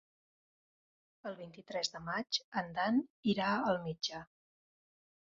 El vint-i-tres de maig en Dan irà al metge.